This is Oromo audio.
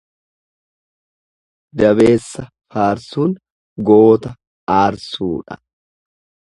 Dabeessa faarsuun goota aarsuudha.